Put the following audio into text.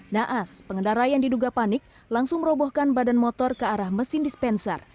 naas pengendara yang diduga panik langsung merobohkan badan motor ke arah mesin dispenser